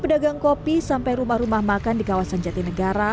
pedagang kopi sampai rumah rumah makan di kawasan jatinegara